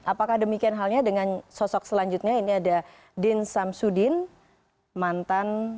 apakah demikian halnya dengan sosok selanjutnya ini ada din samsudin mantan